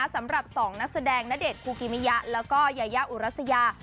สำหรับ๒นักแสดงณเดชนคูกิมิยะแล้วก็ยายาอุรัสยา